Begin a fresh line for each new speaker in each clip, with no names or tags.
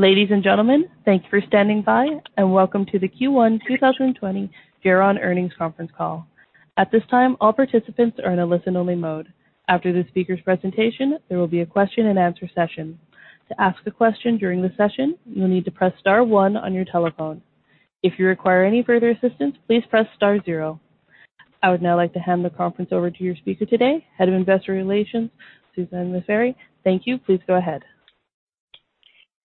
Ladies and gentlemen, thank you for standing by, and welcome to the Q1 2020 Geron Earnings Conference Call. At this time, all participants are in a listen-only mode. After the speaker's presentation, there will be a question-and-answer session. To ask a question during the session, you'll need to press star one on your telephone. If you require any further assistance, please press star zero. I would now like to hand the conference over to your speaker today, Head of Investor Relations, Messere. Thank you. Please go ahead.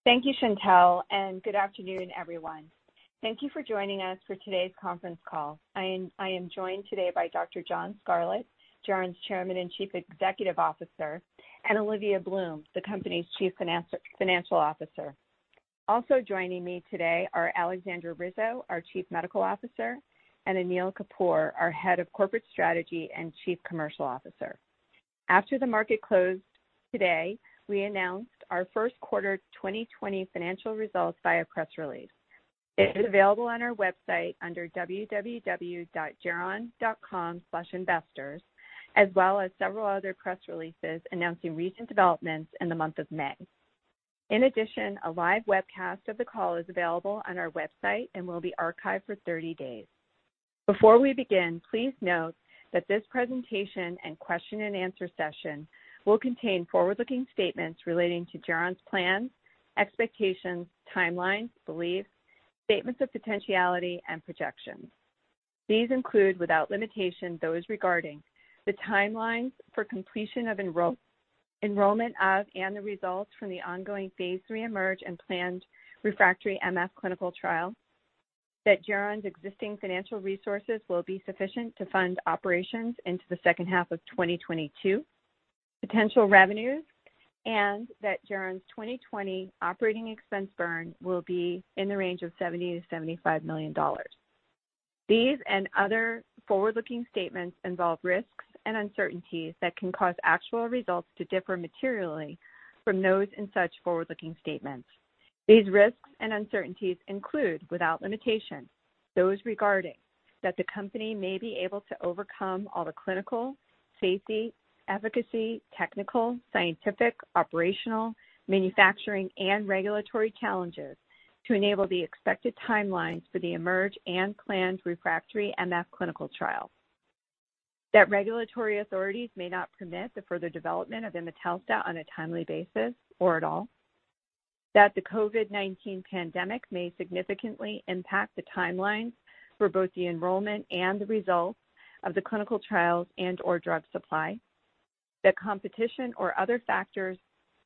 Thank you, Chantelle, and good afternoon, everyone. Thank you for joining us for today's conference call. I am joined today by Dr. John Scarlett, Geron's Chairman and Chief Executive Officer, and Olivia Bloom, the company's Chief Financial Officer. Also joining me today are Aleksandra Rizo, our Chief Medical Officer; and Anil Kapur, our Head of Corporate Strategy and Chief Commercial Officer. After the market closed today, we announced our first quarter 2020 financial results via press release. It is available on our website under www.geron.com/investors, as well as several other press releases announcing recent developments in the month of May. In addition, a live webcast of the call is available on our website and will be archived for 30 days. Before we begin, please note that this presentation and question-and-answer session will contain forward-looking statements relating to Geron's plans, expectations, timelines, beliefs, statements of potentiality, and projections. These include without limitation those regarding the timelines for completion of enrollment of and the results from the ongoing phase III and planned refractory MF clinical trial, that Geron's existing financial resources will be sufficient to fund operations into the second half of 2022, potential revenues, and that Geron's 2020 operating expense burn will be in the range of $70-$75 million. These and other forward-looking statements involve risks and uncertainties that can cause actual results to differ materially from those in such forward-looking statements. These risks and uncertainties include without limitation those regarding that the company may be able to overcome all the clinical, safety, efficacy, technical, scientific, operational, manufacturing, and regulatory challenges to enable the expected timelines for the IMerge and planned refractory MF clinical trial, that regulatory authorities may not permit the further development of imetelstat on a timely basis or at all, that the COVID-19 pandemic may significantly impact the timelines for both the enrollment and the results of the clinical trials and/or drug supply, that competition or other factors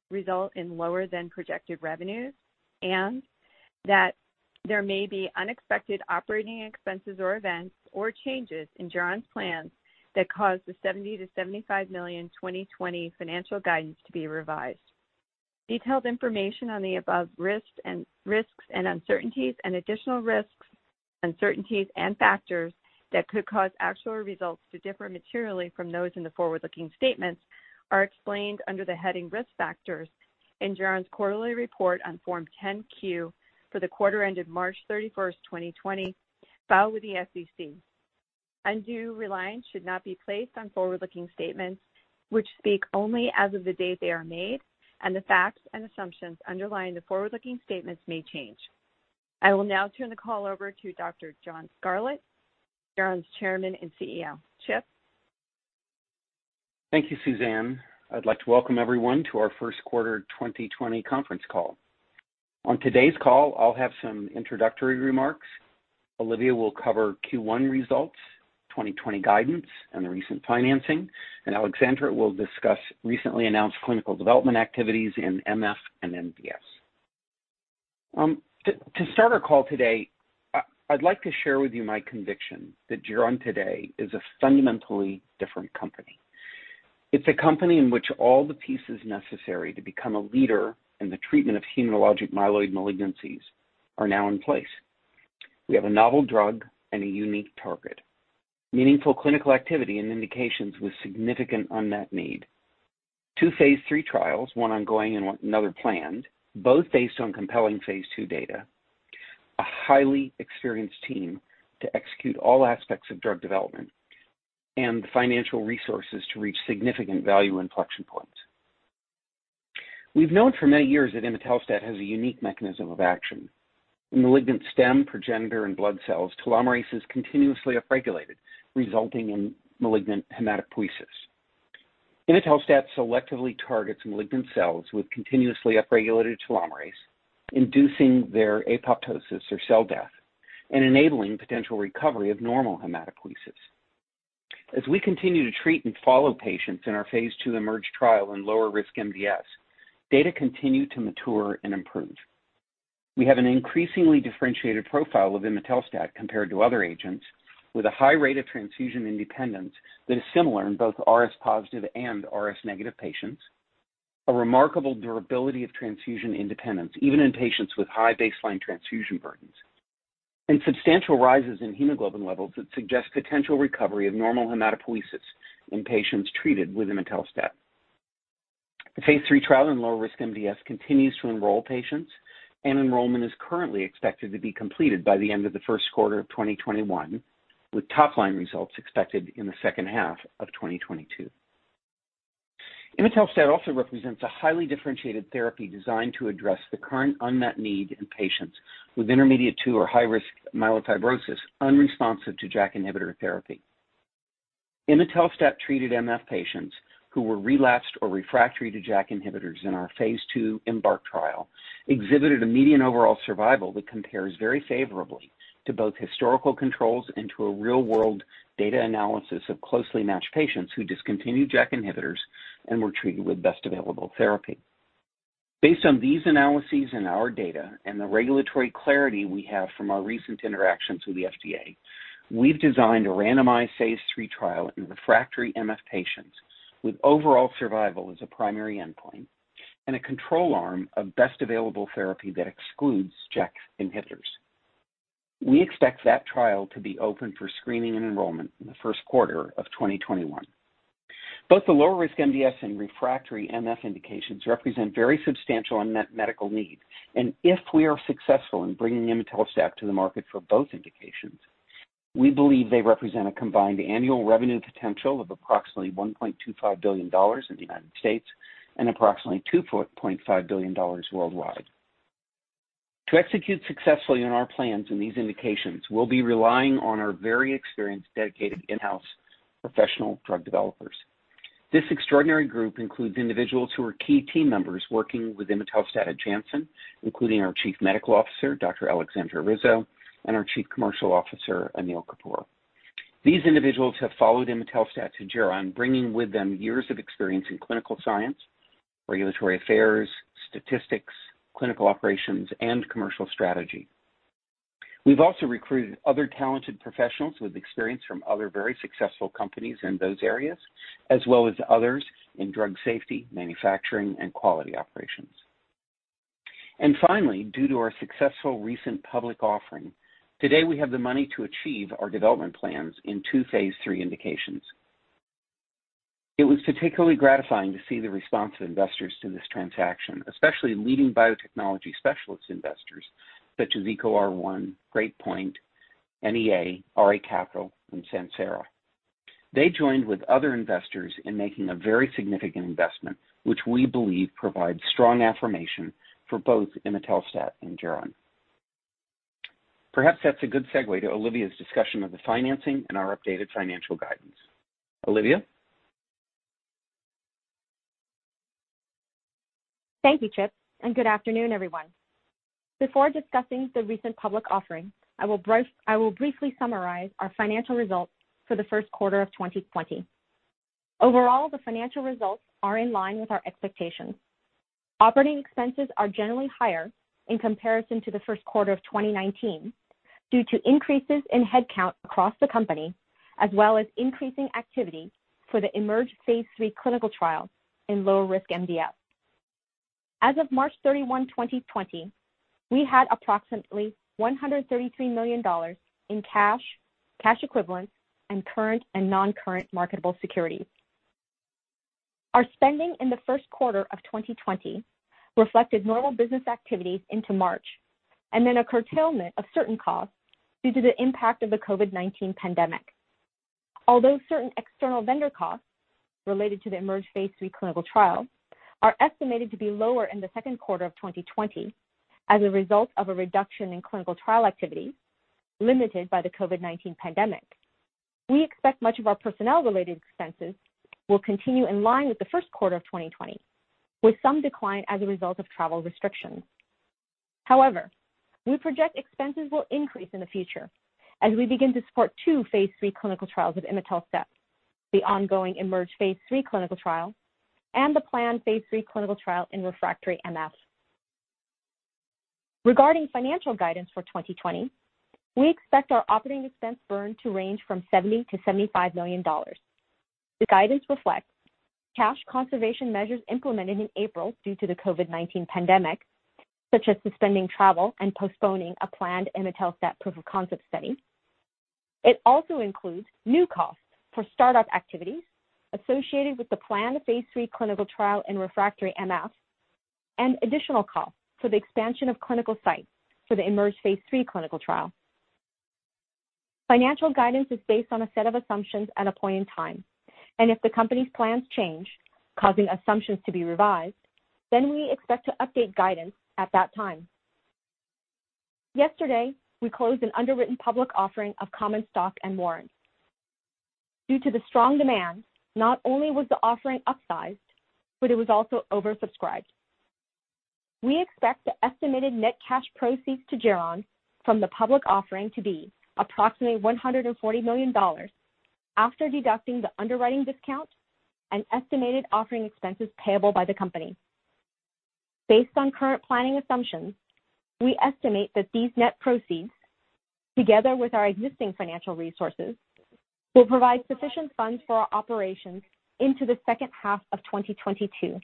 result in lower than projected revenues, and that there may be unexpected operating expenses or events or changes in Geron's plans that cause the $70-$75 million 2020 financial guidance to be revised. Detailed information on the above risks and uncertainties and additional risks, uncertainties, and factors that could cause actual results to differ materially from those in the forward-looking statements are explained under the heading risk factors in Geron's quarterly report on Form 10-Q for the quarter ended March 31, 2020, filed with the SEC. Undue reliance should not be placed on forward-looking statements which speak only as of the date they are made, and the facts and assumptions underlying the forward-looking statements may change. I will now turn the call over to Dr. John Scarlett, Geron's Chairman and CEO. Chip.
Thank you, Suzanne. I'd like to welcome everyone to our first quarter 2020 conference call. On today's call, I'll have some introductory remarks. Olivia will cover Q1 results, 2020 guidance, and the recent financing, and Aleksandra will discuss recently announced clinical development activities in MF and MDS. To start our call today, I'd like to share with you my conviction that Geron today is a fundamentally different company. It's a company in which all the pieces necessary to become a leader in the treatment of hematologic myeloid malignancies are now in place. We have a novel drug and a unique target, meaningful clinical activity and indications with significant unmet need, two phase III trials, one ongoing and another planned, both based on compelling phase II data, a highly experienced team to execute all aspects of drug development, and the financial resources to reach significant value inflection points. We've known for many years that imetelstat has a unique mechanism of action. In malignant stem, progenitor, and blood cells, telomerase is continuously upregulated, resulting in malignant hematopoiesis. Imetelstat selectively targets malignant cells with continuously upregulated telomerase, inducing their apoptosis or cell death and enabling potential recovery of normal hematopoiesis. As we continue to treat and follow patients in our phase II IMerge trial in lower-risk MDS, data continue to mature and improve. We have an increasingly differentiated profile of imetelstat compared to other agents, with a high rate of transfusion independence that is similar in both RS positive and RS negative patients, a remarkable durability of transfusion independence even in patients with high baseline transfusion burdens, and substantial rises in hemoglobin levels that suggest potential recovery of normal hematopoiesis in patients treated with imetelstat. The phase III trial in lower-risk MDS continues to enroll patients, and enrollment is currently expected to be completed by the end of the first quarter of 2021, with top line results expected in the second half of 2022. Imetelstat also represents a highly differentiated therapy designed to address the current unmet need in patients with intermediate-2 or high-risk myelofibrosis unresponsive to JAK inhibitor therapy. Imetelstat-treated MF patients who were relapsed or refractory to JAK inhibitors in our phase II IMbark trial exhibited a median overall survival that compares very favorably to both historical controls and to a real-world data analysis of closely matched patients who discontinued JAK inhibitors and were treated with best available therapy. Based on these analyses and our data and the regulatory clarity we have from our recent interactions with the FDA, we've designed a randomized phase III trial in refractory MF patients with overall survival as a primary endpoint and a control arm of best available therapy that excludes JAK inhibitors. We expect that trial to be open for screening and enrollment in the first quarter of 2021. Both the lower-risk MDS and refractory MF indications represent very substantial unmet medical need, and if we are successful in bringing imetelstat to the market for both indications, we believe they represent a combined annual revenue potential of approximately $1.25 billion in the United States and approximately $2.5 billion worldwide. To execute successfully on our plans in these indications, we'll be relying on our very experienced dedicated in-house professional drug developers. This extraordinary group includes individuals who are key team members working with imetelstat at Janssen, including our Chief Medical Officer, Dr. Aleksandra Rizo, and our Chief Commercial Officer, Anil Kapur. These individuals have followed imetelstat to Geron, bringing with them years of experience in clinical science, regulatory affairs, statistics, clinical operations, and commercial strategy. We have also recruited other talented professionals with experience from other very successful companies in those areas, as well as others in drug safety, manufacturing, and quality operations. Finally, due to our successful recent public offering, today we have the money to achieve our development plans in two phase III indications. It was particularly gratifying to see the response of investors to this transaction, especially leading biotechnology specialist investors such as EcoR1, Great Point, NEA, RA Capital, and Sentara. They joined with other investors in making a very significant investment, which we believe provides strong affirmation for both Imetelstat and Geron. Perhaps that's a good segue to Olivia's discussion of the financing and our updated financial guidance. Olivia?
Thank you, Chip, and good afternoon, everyone. Before discussing the recent public offering, I will briefly summarize our financial results for the first quarter of 2020. Overall, the financial results are in line with our expectations. Operating expenses are generally higher in comparison to the first quarter of 2019 due to increases in headcount across the company, as well as increasing activity for the IMerge phase III clinical trial in lower-risk MDS. As of March 31, 2020, we had approximately $133 million in cash, cash equivalents, and current and non-current marketable securities. Our spending in the first quarter of 2020 reflected normal business activities into March and then a curtailment of certain costs due to the impact of the COVID-19 pandemic. Although certain external vendor costs related to the IMerge phase III clinical trial are estimated to be lower in the second quarter of 2020 as a result of a reduction in clinical trial activity limited by the COVID-19 pandemic, we expect much of our personnel-related expenses will continue in line with the first quarter of 2020, with some decline as a result of travel restrictions. However, we project expenses will increase in the future as we begin to support two phase III clinical trials of imetelstat, the ongoing IMerge phase III clinical trial and the planned phase III clinical trial in refractory MF. Regarding financial guidance for 2020, we expect our operating expense burn to range from $70 million to $75 million. The guidance reflects cash conservation measures implemented in April due to the COVID-19 pandemic, such as suspending travel and postponing a planned imetelstat proof of concept study. It also includes new costs for startup activities associated with the planned phase III clinical trial in refractory MF and additional costs for the expansion of clinical sites for the IMerge phase III clinical trial. Financial guidance is based on a set of assumptions at a point in time, and if the company's plans change, causing assumptions to be revised, then we expect to update guidance at that time. Yesterday, we closed an underwritten public offering of common stock and warrants. Due to the strong demand, not only was the offering upsized, but it was also oversubscribed. We expect the estimated net cash proceeds to Geron from the public offering to be approximately $140 million after deducting the underwriting discount and estimated offering expenses payable by the company. Based on current planning assumptions, we estimate that these net proceeds, together with our existing financial resources, will provide sufficient funds for our operations into the second half of 2022,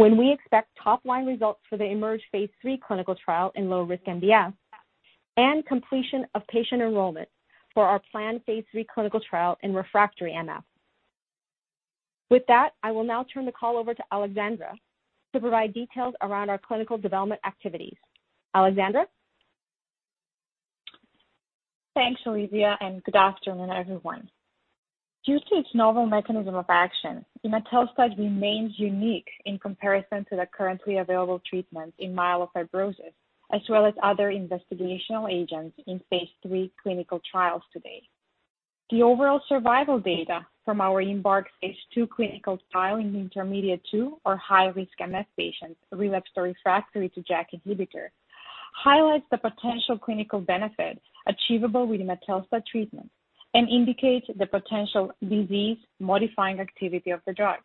when we expect top line results for the IMerge phase III clinical trial in lower-risk MDS and completion of patient enrollment for our planned phase III clinical trial in refractory MF. With that, I will now turn the call over to Aleksandra to provide details around our clinical development activities. Aleksandra?
Thanks, Olivia, and good afternoon, everyone. Due to its novel mechanism of action, imetelstat remains unique in comparison to the currently available treatments in myelofibrosis, as well as other investigational agents in phase III clinical trials today. The overall survival data from our IMbark phase II clinical trial in the intermediate to or high risk MF patients relapsed or refractory to JAK inhibitor highlights the potential clinical benefit achievable with imetelstat treatment and indicates the potential disease-modifying activity of the drug.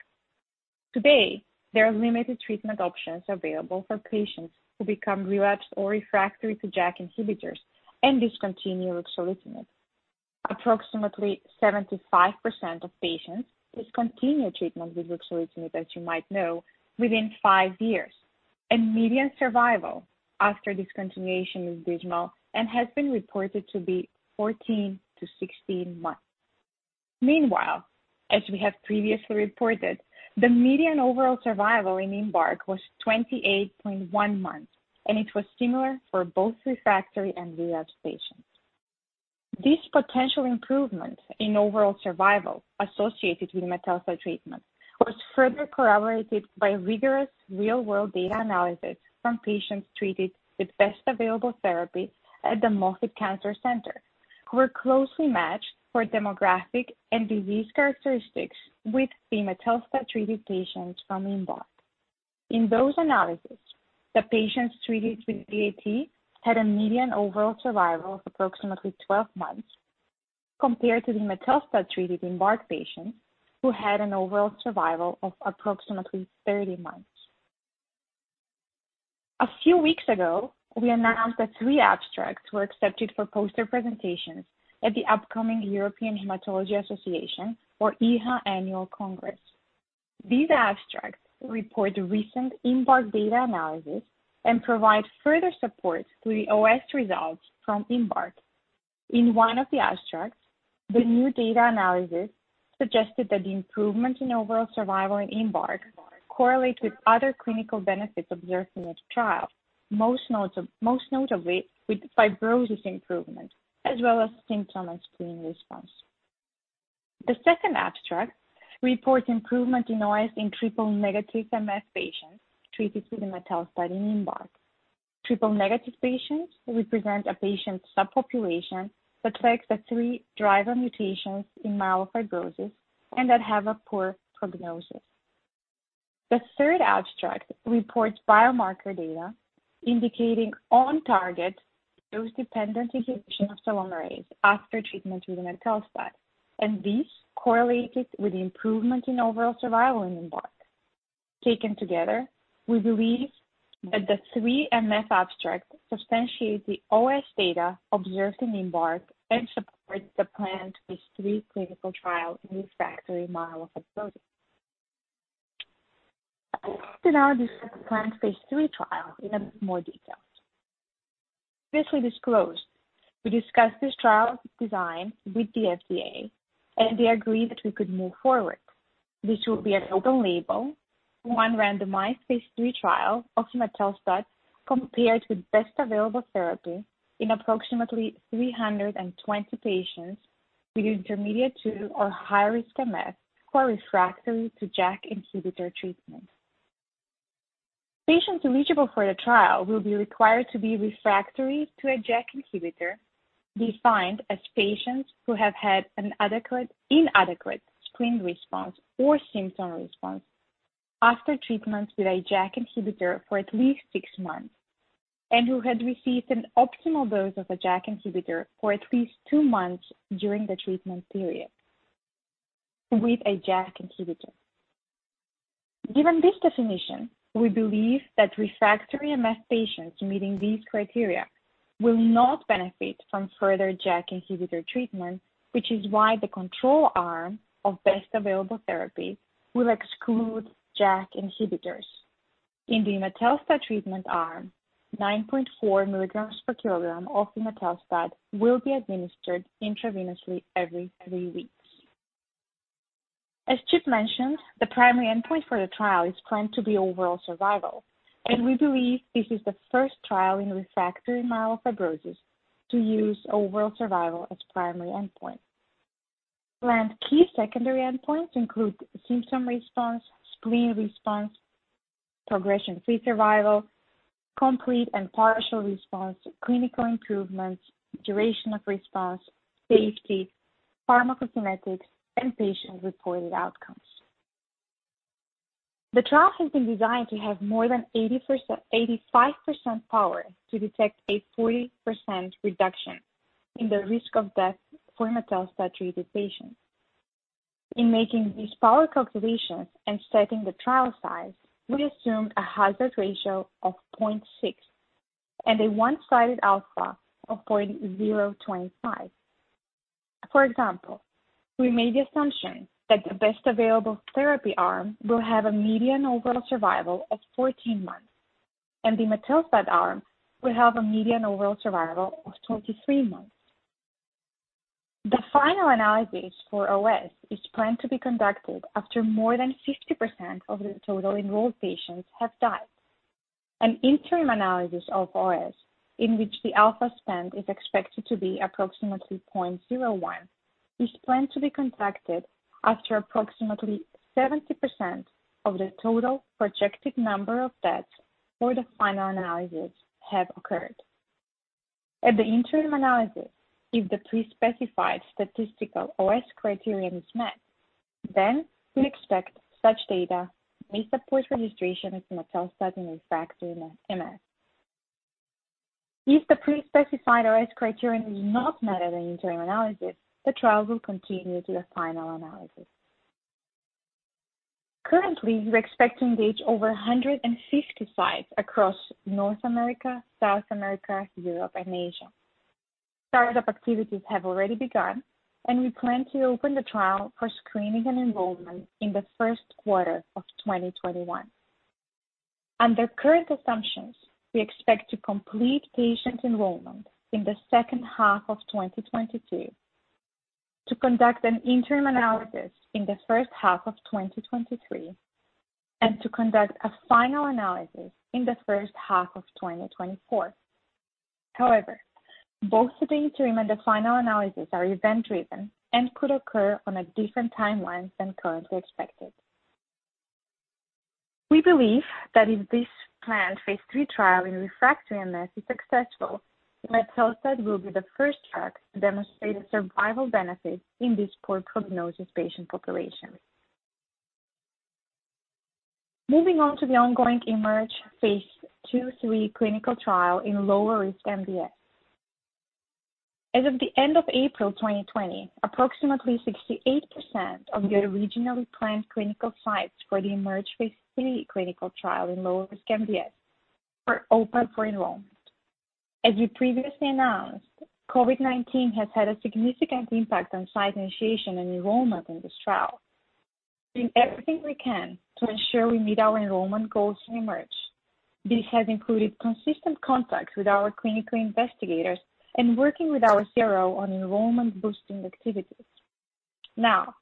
Today, there are limited treatment options available for patients who become relapsed or refractory to JAK inhibitors and discontinue ruxolitinib. Approximately 75% of patients discontinue treatment with ruxolitinib, as you might know, within five years, and median survival after discontinuation is dismal and has been reported to be 14-16 months. Meanwhile, as we have previously reported, the median overall survival in IMbark was 28.1 months, and it was similar for both refractory and relapsed patients. This potential improvement in overall survival associated with imetelstat treatment was further corroborated by rigorous real world data analysis from patients treated with best available therapy at the Moffitt Cancer Center, who were closely matched for demographic and disease characteristics with the imetelstat treated patients from IMbark. In those analyses, the patients treated with BAT had a median overall survival of approximately 12 months compared to the imetelstat treated IMbark patients who had an overall survival of approximately 30 months. A few weeks ago, we announced that three abstracts were accepted for poster presentations at the upcoming European Hematology Association, or EHA Annual Congress. These abstracts report recent IMbark data analysis and provide further support to the OS results from IMbark. In one of the abstracts, the new data analysis suggested that the improvement in overall survival in IMbark correlates with other clinical benefits observed in the trial, most notably with fibrosis improvement, as well as symptom and screening response. The second abstract reports improvement in OS in triple negative MF patients treated with imetelstat in IMbark. Triple negative patients represent a patient subpopulation that lacks the three driver mutations in myelofibrosis and that have a poor prognosis. The third abstract reports biomarker data indicating on-target dose-dependent inhibition of telomerase after treatment with imetelstat, and these correlated with improvement in overall survival in IMbark. Taken together, we believe that the three MF abstracts substantiate the OS data observed in IMbark and support the planned phase III clinical trial in refractory myelofibrosis. I'd like to now discuss the planned phase III trial in a bit more detail. Previously disclosed, we discussed this trial's design with the FDA, and they agreed that we could move forward. This will be an open label, one randomized phase III trial of imetelstat compared with best available therapy in approximately 320 patients with intermediate to or high-risk MF who are refractory to JAK inhibitor treatment. Patients eligible for the trial will be required to be refractory to a JAK inhibitor defined as patients who have had an inadequate screening response or symptom response after treatment with a JAK inhibitor for at least six months and who had received an optimal dose of a JAK inhibitor for at least two months during the treatment period with a JAK inhibitor. Given this definition, we believe that refractory MF patients meeting these criteria will not benefit from further JAK inhibitor treatment, which is why the control arm of best available therapy will exclude JAK inhibitors. In the imetelstat treatment arm, 9.4 mg per kg of imetelstat will be administered intravenously every three weeks. As Chip mentioned, the primary endpoint for the trial is planned to be overall survival, and we believe this is the first trial in refractory myelofibrosis to use overall survival as primary endpoint. Planned key secondary endpoints include symptom response, screening response, progression-free survival, complete and partial response, clinical improvements, duration of response, safety, pharmacokinetics, and patient-reported outcomes. The trial has been designed to have more than 85% power to detect a 40% reduction in the risk of death for imetelstat treated patients. In making these power calculations and setting the trial size, we assumed a hazard ratio of 0.6 and a one-sided alpha of 0.025. For example, we made the assumption that the best available therapy arm will have a median overall survival of 14 months, and the imetelstat arm will have a median overall survival of 23 months. The final analysis for OS is planned to be conducted after more than 50% of the total enrolled patients have died. An interim analysis of OS in which the alpha span is expected to be approximately 0.01 is planned to be conducted after approximately 70% of the total projected number of deaths for the final analysis have occurred. At the interim analysis, if the pre-specified statistical OS criterion is met, then we expect such data may support registration of imetelstat in refractory MF. If the pre-specified OS criterion is not met at the interim analysis, the trial will continue to the final analysis. Currently, we expect to engage over 150 sites across North America, South America, Europe, and Asia. Startup activities have already begun, and we plan to open the trial for screening and enrollment in the first quarter of 2021. Under current assumptions, we expect to complete patient enrollment in the second half of 2022, to conduct an interim analysis in the first half of 2023, and to conduct a final analysis in the first half of 2024. However, both the interim and the final analysis are event-driven and could occur on a different timeline than currently expected. We believe that if this planned phase III trial in refractory MF is successful, imetelstat will be the first drug to demonstrate a survival benefit in this poor prognosis patient population. Moving on to the ongoing IMerge phase II/III clinical trial in lower-risk MDS. As of the end of April 2020, approximately 68% of the originally planned clinical sites for the IMerge phase III clinical trial in lower-risk MDS were open for enrollment. As we previously announced, COVID-19 has had a significant impact on site initiation and enrollment in this trial. We're doing everything we can to ensure we meet our enrollment goals in IMerge. This has included consistent contacts with our clinical investigators and working with our CRO on enrollment-boosting activities. Now,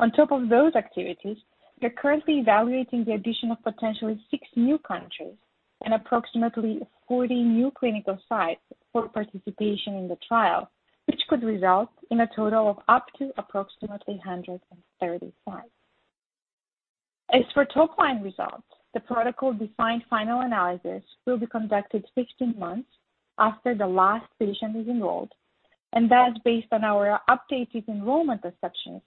on top of those activities, we're currently evaluating the addition of potentially six new countries and approximately 40 new clinical sites for participation in the trial, which could result in a total of up to approximately 130 sites. As for top line results, the protocol-defined final analysis will be conducted 15 months after the last patient is enrolled, and that's based on our updated enrollment assumptions.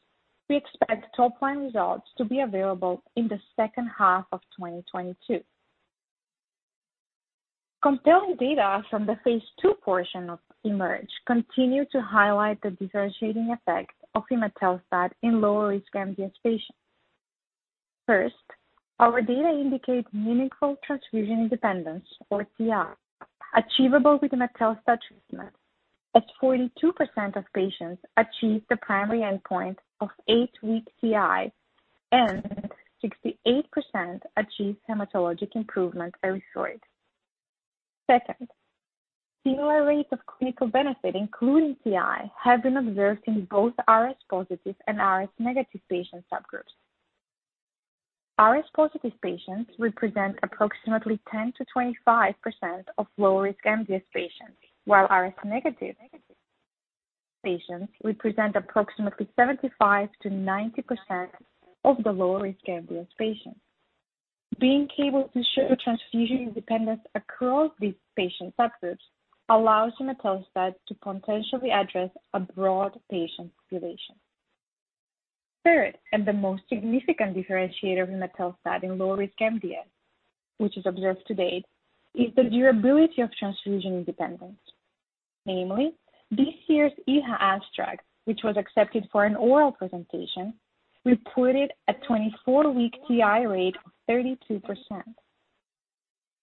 We expect top line results to be available in the second half of 2022. Compelling data from the phase II portion of IMerge continue to highlight the differentiating effect of imetelstat in low risk MDS patients. First, our data indicate meaningful transfusion independence, or TI, achievable with imetelstat treatment, as 42% of patients achieved the primary endpoint of eight-week TI, and 68% achieved hematologic improvement erythroid. Second, similar rates of clinical benefit, including TI, have been observed in both RS-positive and RS-negative patient subgroups. RS-positive patients represent approximately 10-25% of low risk MDS patients, while RS-negative patients represent approximately 75-90% of the low risk MDS patients. Being able to show transfusion independence across these patient subgroups allows imetelstat to potentially address a broad patient population. Third, and the most significant differentiator of imetelstat in lower-risk MDS, which is observed to date, is the durability of transfusion independence. Namely, this year's EHA abstract, which was accepted for an oral presentation, reported a 24-week TI rate of 32%.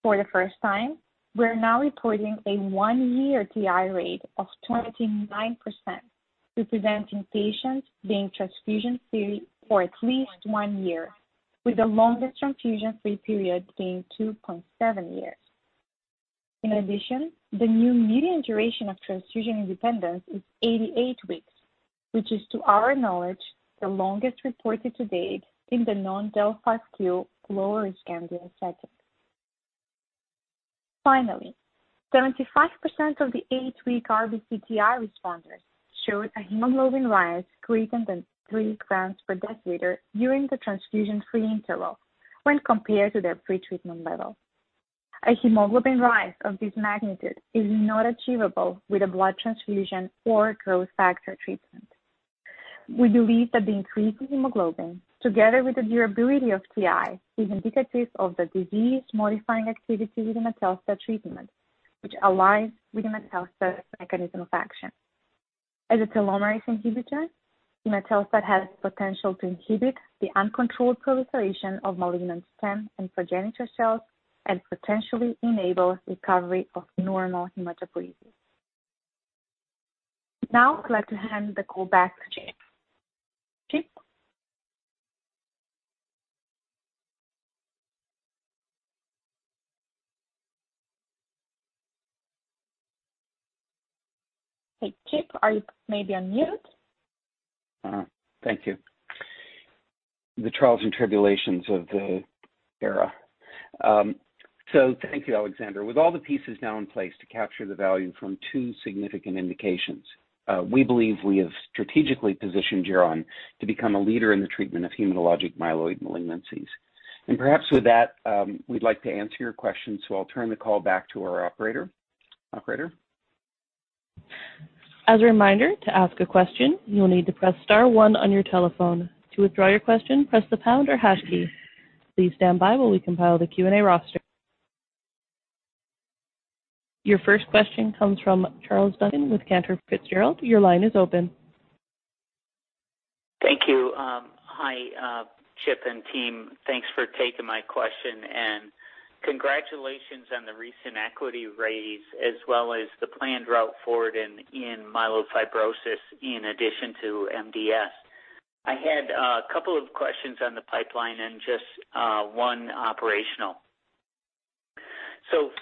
For the first time, we're now reporting a one-year TI rate of 29%, representing patients being transfusion-free for at least one year, with the longest transfusion-free period being 2.7 years. In addition, the new median duration of transfusion independence is 88 weeks, which is, to our knowledge, the longest reported to date in the non-DEL5Q lower-risk MDS setting. Finally, 75% of the eight-week RBC TI responders showed a hemoglobin rise greater than 3 grams per deciliter during the transfusion-free interval when compared to their pretreatment level. A hemoglobin rise of this magnitude is not achievable with a blood transfusion or growth factor treatment. We believe that the increase in hemoglobin, together with the durability of TI, is indicative of the disease-modifying activity with imetelstat treatment, which aligns with imetelstat's mechanism of action. As a telomerase inhibitor, imetelstat has the potential to inhibit the uncontrolled proliferation of malignant stem and progenitor cells and potentially enable recovery of normal hematopoiesis. Now, I'd like to hand the call back to Chip. Chip? Hey, Chip, are you maybe on mute?
Thank you. The trials and tribulations of the era. Thank you, Aleksandra. With all the pieces now in place to capture the value from two significant indications, we believe we have strategically positioned Geron to become a leader in the treatment of hematologic myeloid malignancies. Perhaps with that, we'd like to answer your questions, so I'll turn the call back to our operator.
As a reminder, to ask a question, you'll need to press star one on your telephone. To withdraw your question, press the pound or hash key. Please stand by while we compile the Q&A roster. Your first question comes from Charles Duncan with Cantor Fitzgerald. Your line is open.
Thank you. Hi, Chip and team. Thanks for taking my question, and congratulations on the recent equity raise, as well as the planned route forward in myelofibrosis in addition to MDS. I had a couple of questions on the pipeline and just one operational.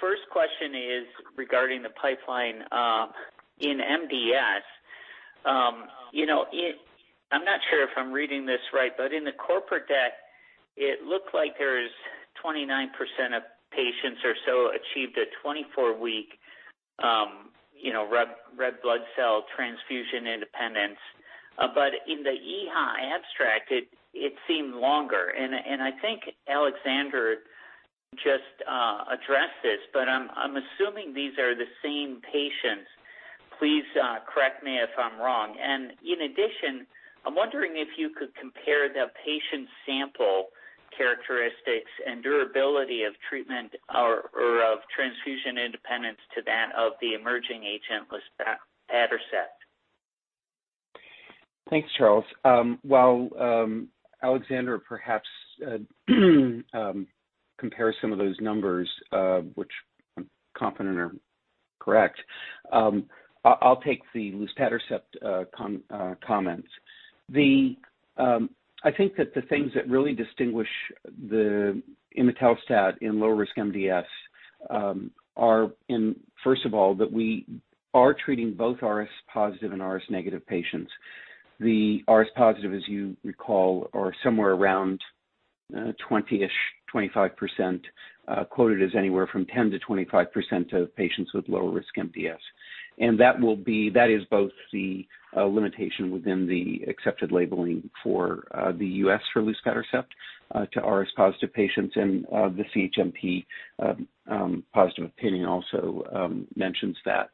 First question is regarding the pipeline in MDS. I'm not sure if I'm reading this right, but in the corporate deck, it looked like there's 29% of patients or so achieved a 24-week red blood cell transfusion independence. In the EHA abstract, it seemed longer. I think Aleksandra just addressed this, but I'm assuming these are the same patients. Please correct me if I'm wrong. In addition, I'm wondering if you could compare the patient sample characteristics and durability of treatment or of transfusion independence to that of the emerging HM luspatercept.
Thanks, Charles. While Aleksandra perhaps compares some of those numbers, which I'm confident are correct, I'll take the luspatercept comments. I think that the things that really distinguish the imetelstat in low risk MDS are, first of all, that we are treating both RS-positive and RS-negative patients.
The RS-positive, as you recall, are somewhere around 20-25%, quoted as anywhere from 10-25% of patients with lower-risk MDS. That is both the limitation within the accepted labeling for the US for luspatercept to RS-positive patients, and the CHMP positive opinion also mentions that.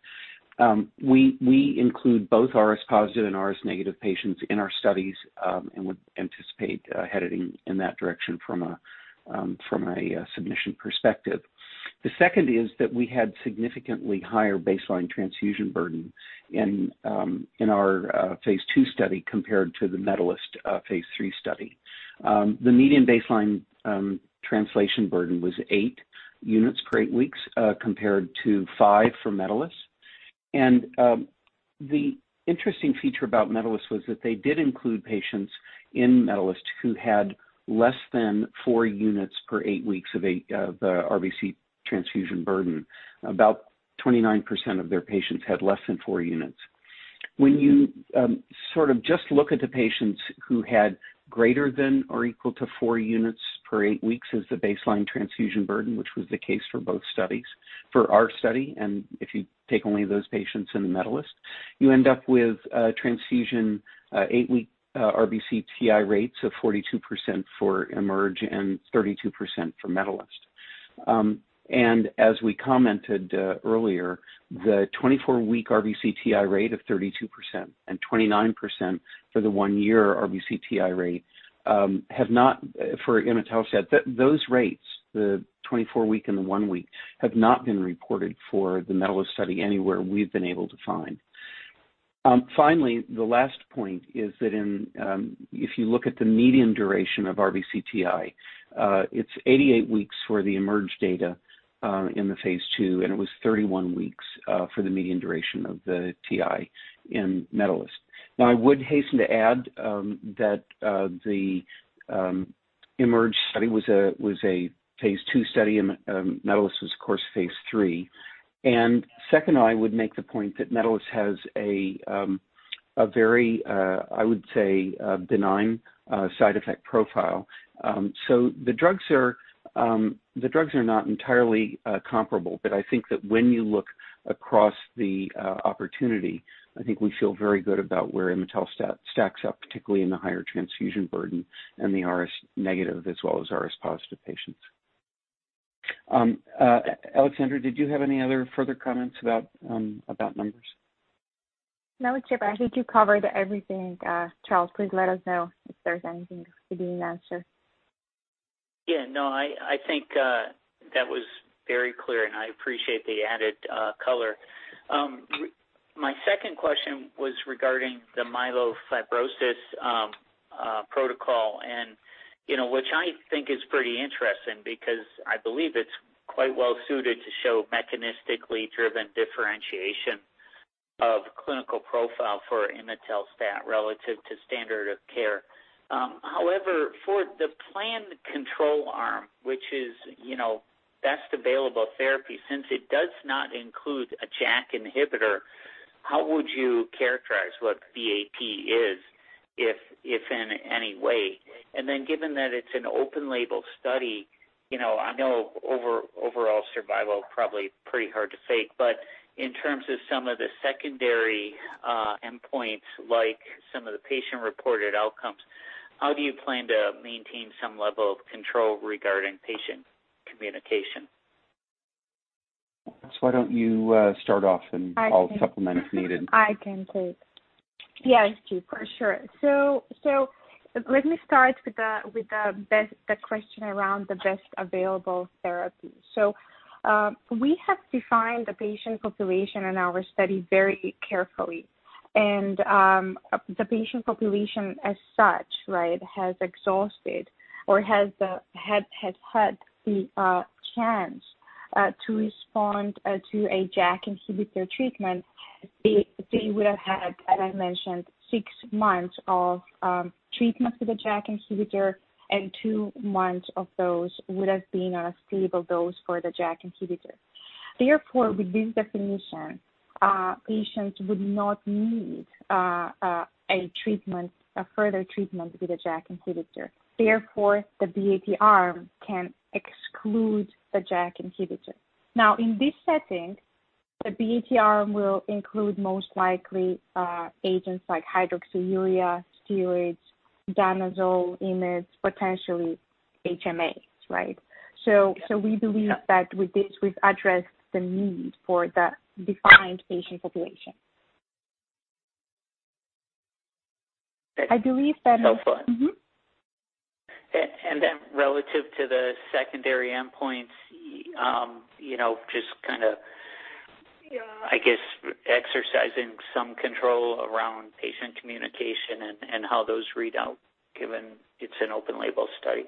We include both RS-positive and RS-negative patients in our studies and would anticipate heading in that direction from a submission perspective. The second is that we had significantly higher baseline transfusion burden in our phase II study compared to the MEDALIST phase III study. The median baseline transfusion burden was 8 units per 8 weeks, compared to five for MEDALIST. The interesting feature about MEDALIST was that they did include patients in MEDALIST who had less than 4 units per 8 weeks of the RBC transfusion burden. About 29% of their patients had less than 4 units. When you sort of just look at the patients who had greater than or equal to four units per eight weeks as the baseline transfusion burden, which was the case for both studies, for our study, and if you take only those patients in the MEDALIST, you end up with transfusion eight-week RBC TI rates of 42% for EMERGE and 32% for MEDALIST. As we commented earlier, the 24-week RBC TI rate of 32% and 29% for the one-year RBC TI rate have not, for imetelstat, those rates, the 24-week and the one-year, have not been reported for the MEDALIST study anywhere we've been able to find. Finally, the last point is that if you look at the median duration of RBC TI, it's 88 weeks for the EMERGE data in the phase II, and it was 31 weeks for the median duration of the TI in MEDALIST. Now, I would hasten to add that the IMerge study was a phase II study, and Medalist was, of course, phase III. I would make the point that Medalist has a very, I would say, benign side effect profile. The drugs are not entirely comparable, but I think that when you look across the opportunity, I think we feel very good about where imetelstat stacks up, particularly in the higher transfusion burden and the RS-negative as well as RS-positive patients. Aleksandra, did you have any other further comments about numbers? No, Chip, I think you covered everything. Charles, please let us know if there's anything that we did not answer.
Yeah. No, I think that was very clear, and I appreciate the added color. My second question was regarding the myelofibrosis protocol, which I think is pretty interesting because I believe it's quite well-suited to show mechanistically driven differentiation of clinical profile for imetelstat relative to standard of care. However, for the planned control arm, which is best available therapy, since it does not include a JAK inhibitor, how would you characterize what BAT is, if in any way? And then given that it's an open-label study, I know overall survival is probably pretty hard to fake, but in terms of some of the secondary endpoints, like some of the patient-reported outcomes, how do you plan to maintain some level of control regarding patient communication?
Why don't you start off, and I'll supplement if needed.
I can take—yeah, Chip, for sure. Let me start with the question around the best available therapy. We have defined the patient population in our study very carefully, and the patient population as such, right, has exhausted or has had the chance to respond to a JAK inhibitor treatment. They would have had, as I mentioned, six months of treatment with a JAK inhibitor, and two months of those would have been on a stable dose for the JAK inhibitor. Therefore, with this definition, patients would not need a further treatment with a JAK inhibitor. Therefore, the BAT arm can exclude the JAK inhibitor. In this setting, the BAT arm will include most likely agents like hydroxyurea, steroids, danazol, imids, potentially HMAs, right? We believe that with this, we've addressed the need for the defined patient population. I believe that—
and then relative to the secondary endpoints, just kind of, I guess, exercising some control around patient communication and how those read out, given it's an open-label study.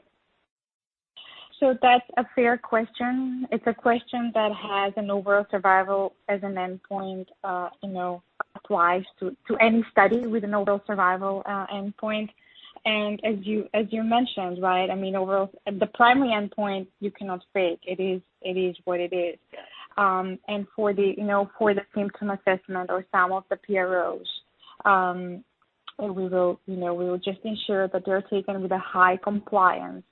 That is a fair question. It is a question that has an overall survival as an endpoint applied to any study with an overall survival endpoint. As you mentioned, right, I mean, the primary endpoint, you cannot fake. It is what it is. For the symptom assessment or some of the PROs, we will just ensure that they're taken with a high compliance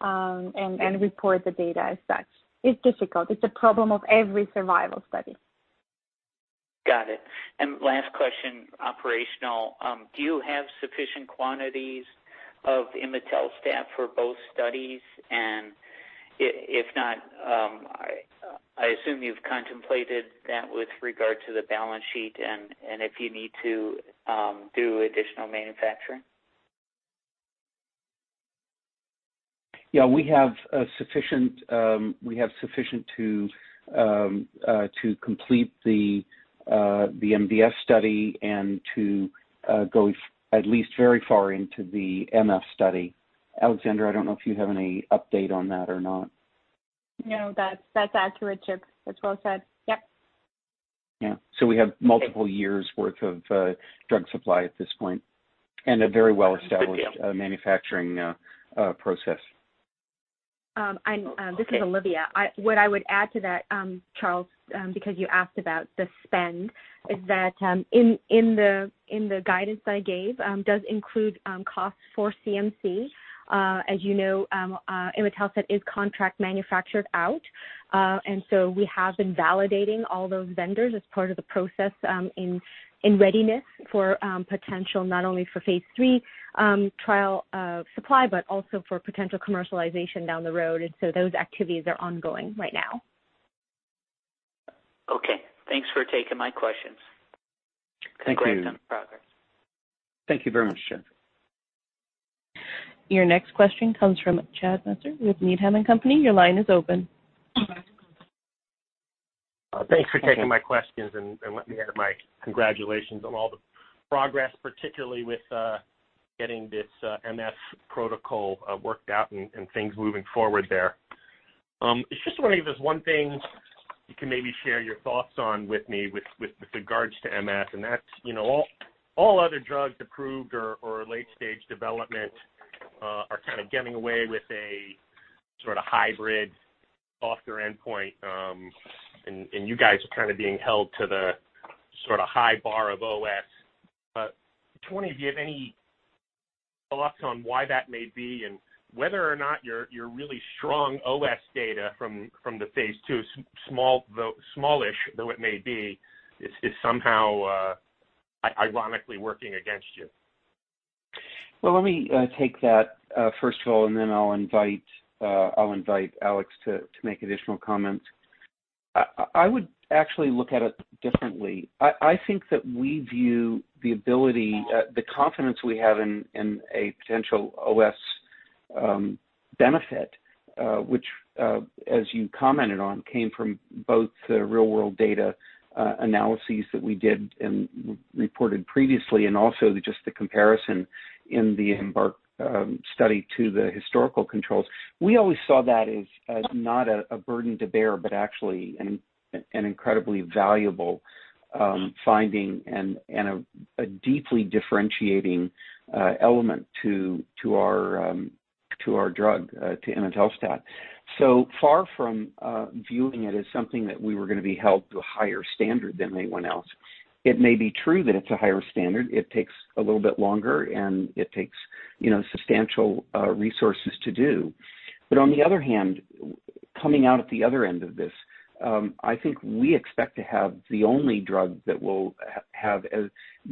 and report the data as such. It's difficult. It's a problem of every survival study.
Got it. Last question, operational. Do you have sufficient quantities of Imetelstat for both studies? If not, I assume you've contemplated that with regard to the balance sheet and if you need to do additional manufacturing?
Yeah. We have sufficient to complete the MDS study and to go at least very far into the MF study. Aleksandra, I don't know if you have any update on that or not.
No, that's accurate, Chip. That's well said. Yep.
Yeah. We have multiple years' worth of drug supply at this point and a very well-established manufacturing process.
This is Olivia. What I would add to that, Charles, because you asked about the spend, is that in the guidance I gave, does include costs for CMC. As you know, imetelstat is contract manufactured out, and we have been validating all those vendors as part of the process in readiness for potential, not only for phase III trial supply, but also for potential commercialization down the road. Those activities are ongoing right now.
Okay. Thanks for taking my questions. Congrats on the progress.
Thank you very much, Chip.
Your next question comes from Chad Messer with Needham & Company. Your line is open.
Thanks for taking my questions, and let me add my congratulations on all the progress, particularly with getting this MF protocol worked out and things moving forward there. Just want to give this one thing you can maybe share your thoughts on with me with regards to MF, and that's all other drugs approved, or late-stage development are kind of getting away with a sort of hybrid software endpoint, and you guys are kind of being held to the sort of high bar of OS. But, do you have any thoughts on why that may be and whether or not your really strong OS data from the phase II, smallish though it may be, is somehow ironically working against you?
Let me take that first of all, and then I'll invite Alex to make additional comments. I would actually look at it differently. I think that we view the ability, the confidence we have in a potential OS benefit, which, as you commented on, came from both the real-world data analyses that we did and reported previously, and also just the comparison in the IMbark study to the historical controls. We always saw that as not a burden to bear, but actually an incredibly valuable finding and a deeply differentiating element to our drug, to Imetelstat. Far from viewing it as something that we were going to be held to a higher standard than anyone else. It may be true that it's a higher standard. It takes a little bit longer, and it takes substantial resources to do. On the other hand, coming out at the other end of this, I think we expect to have the only drug that will have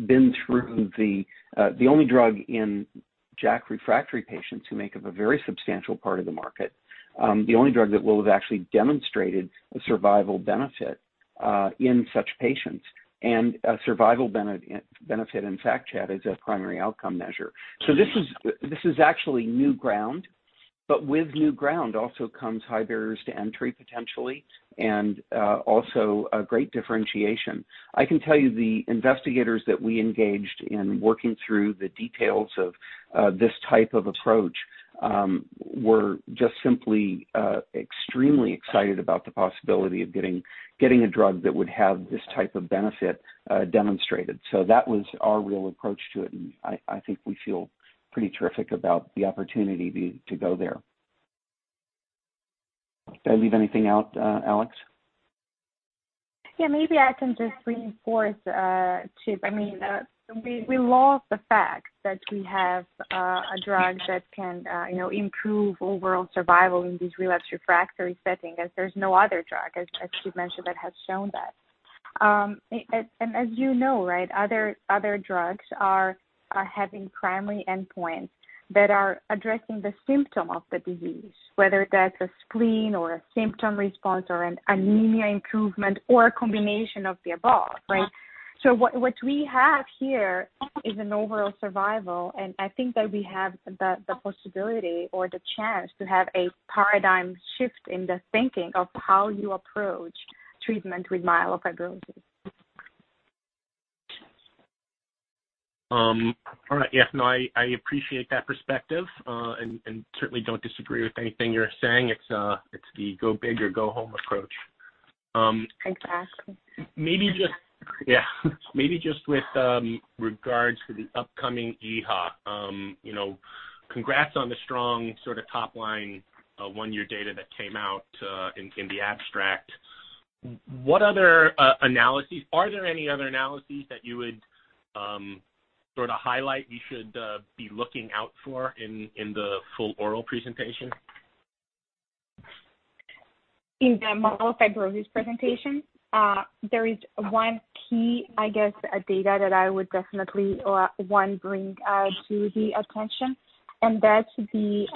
been through, the only drug in JAK refractory patients who make up a very substantial part of the market, the only drug that will have actually demonstrated a survival benefit in such patients. A survival benefit, in fact, Chad, is a primary outcome measure. This is actually new ground, but with new ground also comes high barriers to entry potentially, and also great differentiation. I can tell you the investigators that we engaged in working through the details of this type of approach were just simply extremely excited about the possibility of getting a drug that would have this type of benefit demonstrated. That was our real approach to it, and I think we feel pretty terrific about the opportunity to go there. Did I leave anything out, Alex?
Yeah. Maybe I can just reinforce, Chip. I mean, we love the fact that we have a drug that can improve overall survival in these relapse refractory settings, as there is no other drug, as Chip mentioned, that has shown that. As you know, right, other drugs are having primary endpoints that are addressing the symptom of the disease, whether that is a spleen or a symptom response or an anemia improvement or a combination of the above, right? What we have here is an overall survival, and I think that we have the possibility or the chance to have a paradigm shift in the thinking of how you approach treatment with myelofibrosis.
All right. Yeah. No, I appreciate that perspective and certainly don't disagree with anything you're saying. It's the go big or go home approach.
Exactly.
Yeah. Maybe just with regards to the upcoming EHOC, congrats on the strong sort of top-line one-year data that came out in the abstract. What other analyses are there any other analyses that you would sort of highlight we should be looking out for in the full oral presentation?
In the myelofibrosis presentation, there is one key, I guess, data that I would definitely want to bring to the attention, and that's the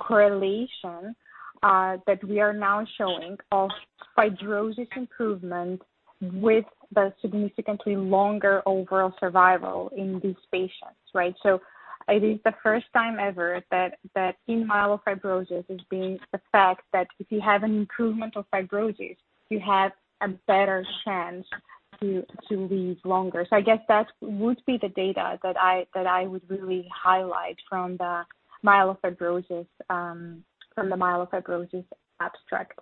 correlation that we are now showing of fibrosis improvement with the significantly longer overall survival in these patients, right? It is the first time ever that in myelofibrosis is being the fact that if you have an improvement of fibrosis, you have a better chance to live longer. I guess that would be the data that I would really highlight from the myelofibrosis abstract.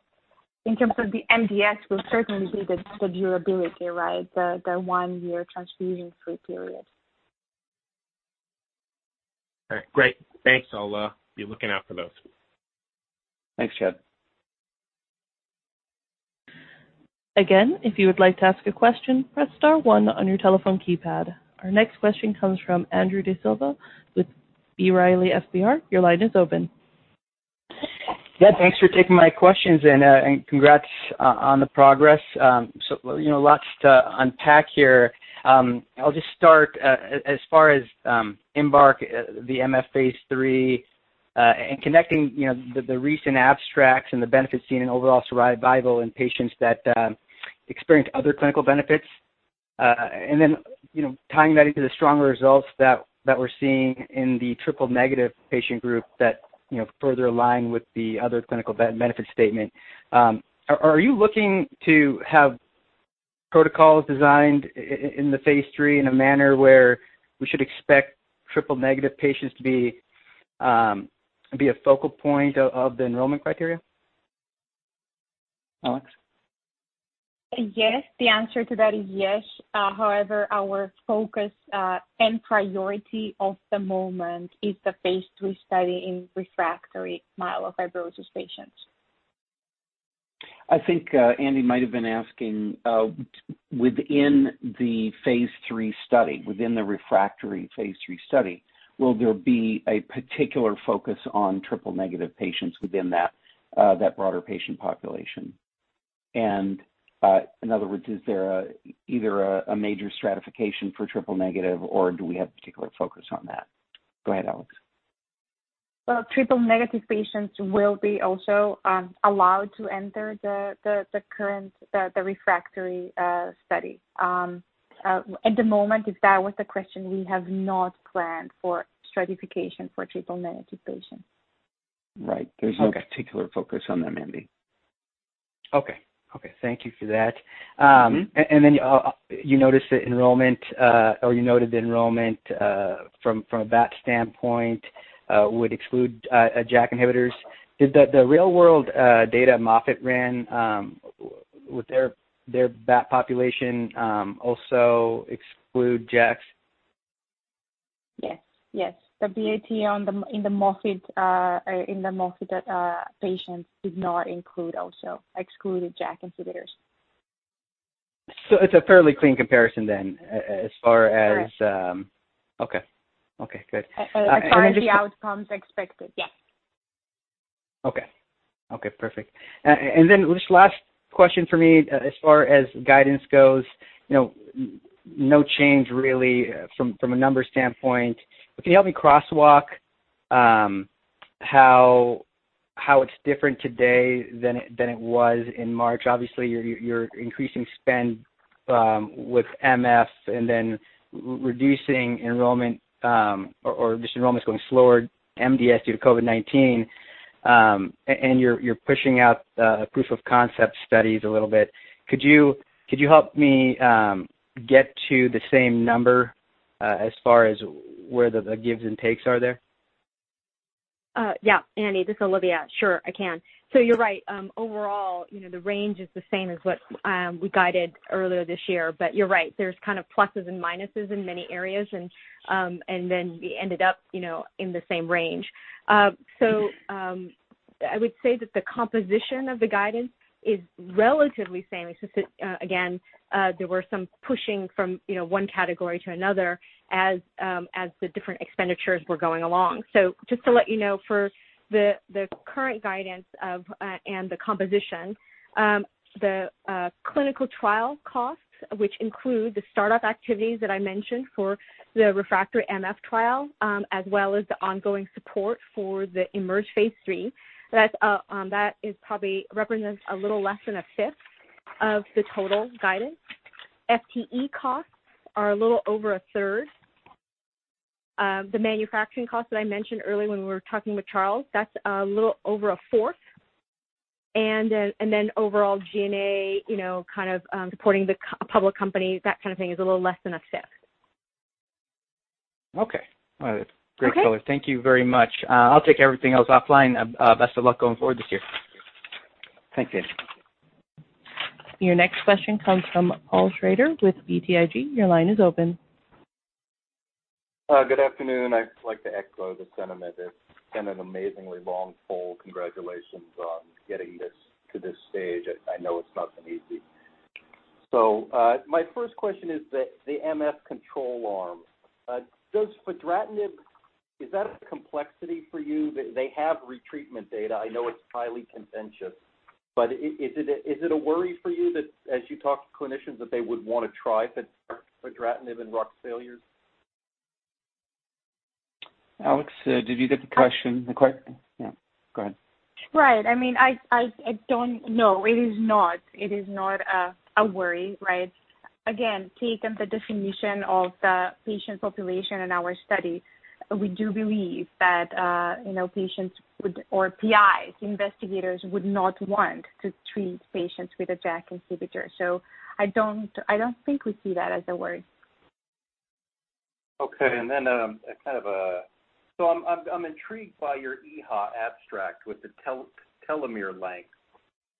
In terms of the MDS, it will certainly be the durability, right, the one-year transfusion-free period.
All right. Great. Thanks. I'll be looking out for those.
Thanks, Chad.
Again, if you would like to ask a question, press star one on your telephone keypad. Our next question comes from Andrew D'Silva with B. Riley FBR. Your line is open.
Yeah. Thanks for taking my questions, and congrats on the progress. Lots to unpack here. I'll just start as far as IMbark, the MF phase III, and connecting the recent abstracts and the benefits seen in overall survival in patients that experience other clinical benefits, and then tying that into the stronger results that we're seeing in the triple negative patient group that further align with the other clinical benefit statement. Are you looking to have protocols designed in the phase III in a manner where we should expect triple negative patients to be a focal point of the enrollment criteria?
Alex?
Yes. The answer to that is yes. However, our focus and priority of the moment is the phase III study in refractory myelofibrosis patients.
I think Andy might have been asking, within the phase III study, within the refractory phase III study, will there be a particular focus on triple negative patients within that broader patient population? In other words, is there either a major stratification for triple negative, or do we have a particular focus on that? Go ahead, Alex.
Triple negative patients will be also allowed to enter the current refractory study. At the moment, if that was the question, we have not planned for stratification for triple negative patients.
Right. There's no particular focus on them, Andy.
Okay. Okay. Thank you for that. You noted that enrollment, or you noted the enrollment from a BAT standpoint would exclude JAK inhibitors. Did the real-world data Moffitt ran, would their BAT population also exclude JAKs?
Yes. Yes. The BAT in the Moffitt patients did not include, also excluded JAK inhibitors.
So it's a fairly clean comparison then as far as.
Correct.
Okay. Okay. Good.
And the outcomes expected.
Yeah. Okay. Okay. Perfect. This last question for me as far as guidance goes, no change really from a numbers standpoint. Can you help me crosswalk how it's different today than it was in March? Obviously, you're increasing spend with MF and then reducing enrollment or just enrollments going slower, MDS due to COVID-19, and you're pushing out proof of concept studies a little bit. Could you help me get to the same number as far as where the gives and takes are there?
Yeah. Andy, this is Olivia. Sure, I can. You're right. Overall, the range is the same as what we guided earlier this year, but you're right. There's kind of pluses and minuses in many areas, and we ended up in the same range. I would say that the composition of the guidance is relatively same. It's just that, again, there were some pushing from one category to another as the different expenditures were going along. Just to let you know, for the current guidance and the composition, the clinical trial costs, which include the startup activities that I mentioned for the refractory MF trial, as well as the ongoing support for the IMerge phase III, that probably represents a little less than a fifth of the total guidance. FTE costs are a little over a third. The manufacturing costs that I mentioned earlier when we were talking with Charles, that's a little over a fourth. Then overall G&A kind of supporting the public company, that kind of thing is a little less than a fifth.
Okay. All right.
Great.
Thank you very much. I'll take everything else offline. Best of luck going forward this year. Thank you.
Your next question comes from Tom Shrader with BTIG. Your line is open.
Good afternoon. I'd like to echo the sentiment. It's been an amazingly long, full congratulations on getting this to this stage. I know it's not been easy. My first question is the MF control arm. Is that a complexity for you? They have retreatment data. I know it's highly contentious. Is it a worry for you that, as you talk to clinicians, they would want to try fedratinib and rux failures?
Alex, did you get the question? Yeah. Go ahead.
Right. I mean, I don't know. It is not. It is not a worry, right? Again, taking the definition of the patient population in our study, we do believe that patients or PIs, investigators, would not want to treat patients with a JAK inhibitor. I don't think we see that as a worry.
Okay. I'm intrigued by your EHOC abstract with the telomere length.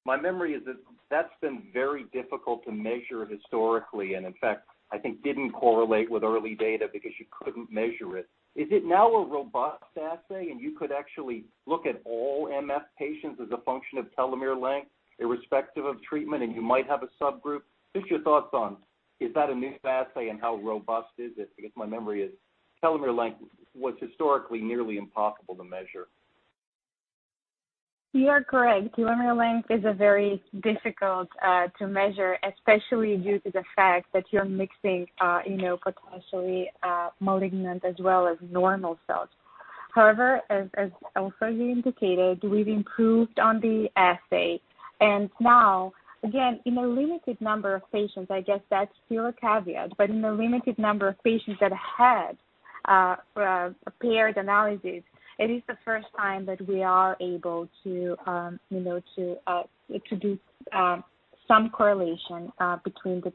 My memory is that that's been very difficult to measure historically, and in fact, I think didn't correlate with early data because you couldn't measure it. Is it now a robust assay, and you could actually look at all MF patients as a function of telomere length irrespective of treatment, and you might have a subgroup? Just your thoughts on, is that a new assay, and how robust is it? Because my memory is telomere length was historically nearly impossible to measure.
You are correct. Telomere length is very difficult to measure, especially due to the fact that you're mixing potentially malignant as well as normal cells. However, as also you indicated, we've improved on the assay. Now, again, in a limited number of patients, I guess that's still a caveat, but in a limited number of patients that had a paired analysis, it is the first time that we are able to do some correlation between the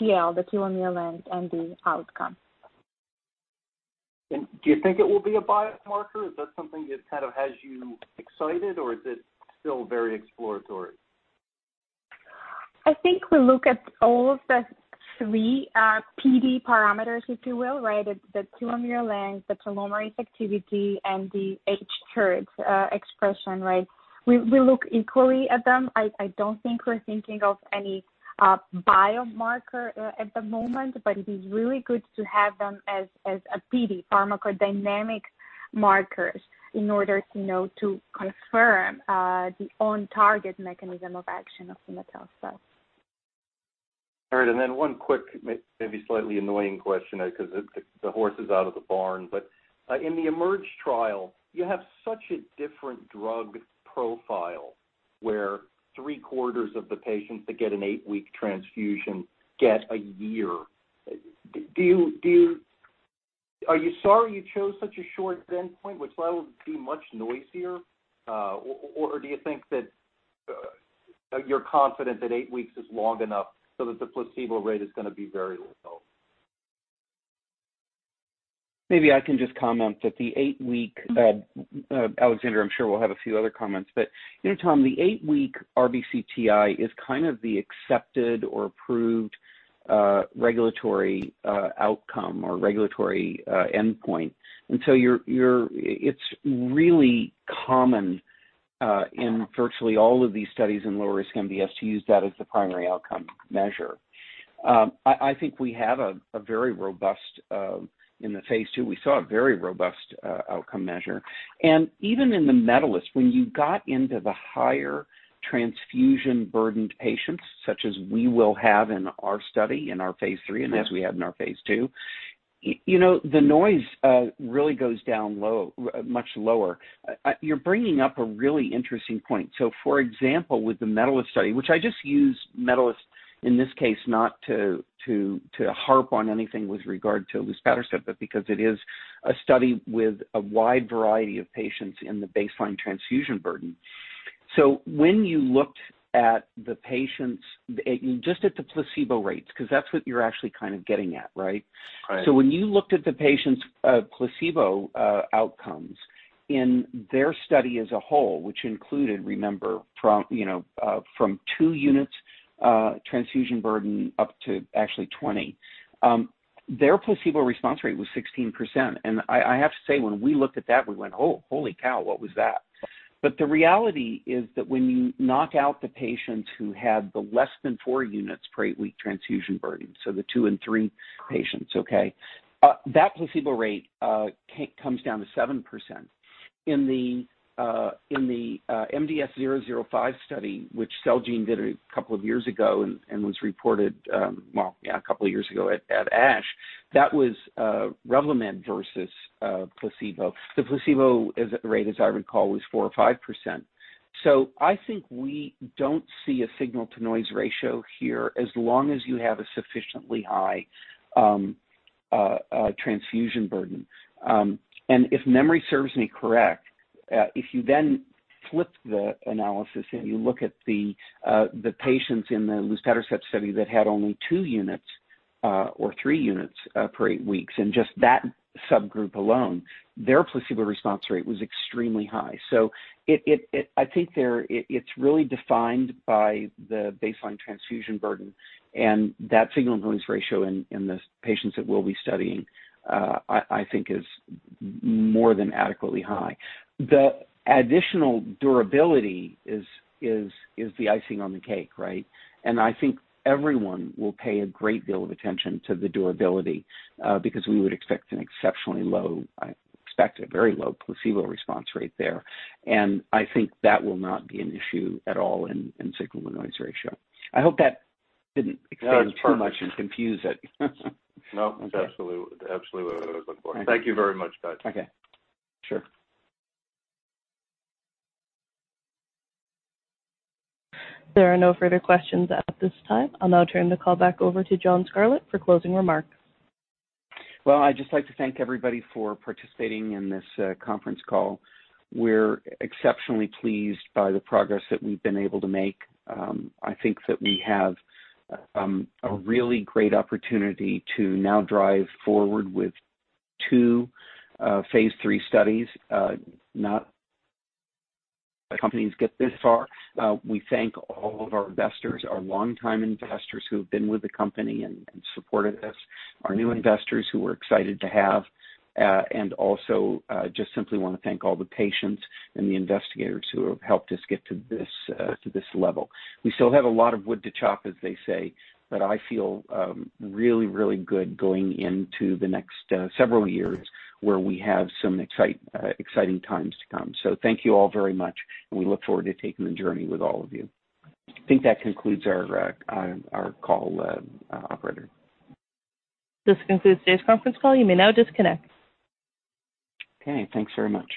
TL, the telomere length, and the outcome.
Do you think it will be a biomarker? Is that something that kind of has you excited, or is it still very exploratory?
I think we look at all of the three PD parameters, if you will, right? The telomere length, the telomerase activity, and the HTERD expression, right? We look equally at them. I don't think we're thinking of any biomarker at the moment, but it is really good to have them as PD, pharmacodynamic markers, in order to confirm the on-target mechanism of action of hematocytes.
All right. One quick, maybe slightly annoying question because the horse is out of the barn, but in the IMerge trial, you have such a different drug profile where three-quarters of the patients that get an eight-week transfusion get a year. Are you sorry you chose such a short endpoint, which that would be much noisier, or do you think that you're confident that eight weeks is long enough so that the placebo rate is going to be very low?
Maybe I can just comment that the eight-week, Aleksandra, I'm sure we'll have a few other comments, but Tom, the eight-week RBC TI is kind of the accepted or approved regulatory outcome or regulatory endpoint. It is really common in virtually all of these studies in lower-risk MDS to use that as the primary outcome measure. I think we have a very robust in the phase II. We saw a very robust outcome measure. Even in the MEDALISTs, when you got into the higher transfusion-burdened patients, such as we will have in our study, in our phase III, and as we had in our phase II, the noise really goes down much lower. You're bringing up a really interesting point. For example, with the MEDALIST study, which I just use MEDALISTs in this case not to harp on anything with regard to luspatercept because it is a study with a wide variety of patients in the baseline transfusion burden. When you looked at the patients, just at the placebo rates, because that's what you're actually kind of getting at, right? When you looked at the patients' placebo outcomes in their study as a whole, which included, remember, from two units transfusion burden up to actually 20, their placebo response rate was 16%. I have to say, when we looked at that, we went, "Holy cow, what was that?" The reality is that when you knock out the patients who had the less than four units per eight-week transfusion burden, so the two and three patients, that placebo rate comes down to 7%. In the MDS 005 study, which Cellgene did a couple of years ago and was reported, yeah, a couple of years ago at ASH, that was Revlimid versus placebo. The placebo rate, as I recall, was 4% or 5%. I think we do not see a signal-to-noise ratio here as long as you have a sufficiently high transfusion burden. If memory serves me correct, if you then flip the analysis and you look at the patients in the Luspatercept study that had only two units or three units per eight weeks, and just that subgroup alone, their placebo response rate was extremely high. I think it's really defined by the baseline transfusion burden, and that signal-to-noise ratio in the patients that we'll be studying, I think, is more than adequately high. The additional durability is the icing on the cake, right? I think everyone will pay a great deal of attention to the durability because we would expect an exceptionally low, I expect a very low placebo response rate there. I think that will not be an issue at all in signal-to-noise ratio. I hope that didn't expand too much and confuse it.
No, that's absolutely what I was looking for. Thank you very much, guys.
Okay. Sure.
There are no further questions at this time. I'll now turn the call back over to John Scarlett for closing remarks.
I'd just like to thank everybody for participating in this conference call. We're exceptionally pleased by the progress that we've been able to make. I think that we have a really great opportunity to now drive forward with two phase III studies. Companies get this far. We thank all of our investors, our longtime investors who have been with the company and supported us, our new investors who we're excited to have, and also just simply want to thank all the patients and the investigators who have helped us get to this level. We still have a lot of wood to chop, as they say, but I feel really, really good going into the next several years where we have some exciting times to come. Thank you all very much, and we look forward to taking the journey with all of you. I think that concludes our call, Operator.
This concludes today's conference call. You may now disconnect.
Okay. Thanks very much.